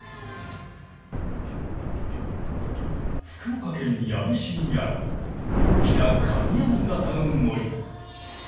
福岡県八女市にある大きな鍵穴形の森。